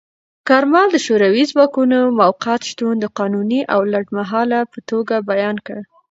کارمل د شوروي ځواکونو موقت شتون د قانوني او لنډمهاله په توګه بیان کړ.